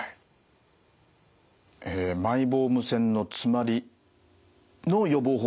えマイボーム腺の詰まりの予防法